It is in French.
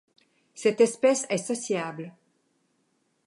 Cette espèce est sociable.